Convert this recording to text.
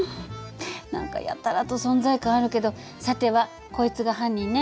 何かやたらと存在感あるけどさてはこいつが犯人ね。